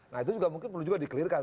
nah itu juga mungkin perlu juga di clearkan